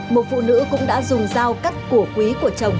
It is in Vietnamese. một phụ nữ cũng đã dùng dao cắt cổ quý của chồng